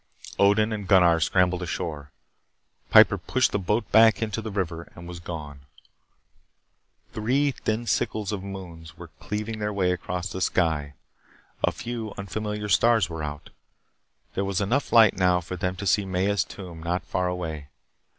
Odin and Gunnar scrambled ashore. Piper pushed the boat back into the river and was gone. Three thin sickles of moons were cleaving their way across the sky. A few unfamiliar stars were out. There was enough light now for them to see Maya's tomb not far away.